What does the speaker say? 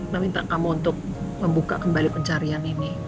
mama minta kamu untuk membuka kembali pencarian ini